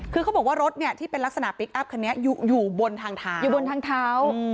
คือเขาบอกว่ารถเนี่ยที่เป็นลักษณะพลิกอัพคันนี้อยู่บนทางเท้า